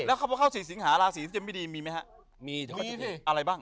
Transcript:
แล้วคำว่าเข้าสี่สิงหาราศรีจะไม่ดีมีไหมฮะมีมีสิอะไรบ้าง